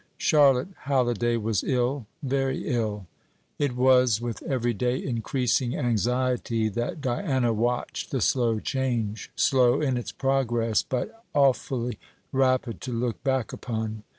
Charlotte Halliday was ill very ill. It was with everyday increasing anxiety that Diana watched the slow change slow in its progress, but awfully rapid to look back upon.